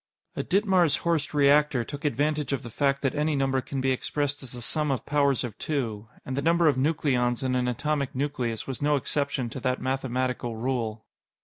A Ditmars Horst reactor took advantage of the fact that any number can be expressed as the sum of powers of two and the number of nucleons in an atomic nucleus was no exception to that mathematical rule.